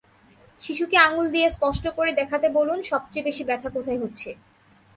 শিশুকে আঙুল দিয়ে স্পষ্ট করে দেখাতে বলুন, সবচেয়ে বেশি ব্যথা কোথায় হচ্ছে।